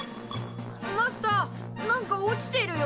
マスターなんか落ちてるよ。